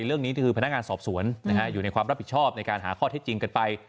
เรื่องนี้ก็คือพนักงานสอบสวนอยู่ในความรับผิดชอบในการหาข้อเท็จจริงกันไป